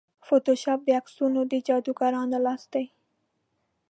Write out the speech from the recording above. فوټوشاپ د عکسونو د جادوګرانو لاس دی.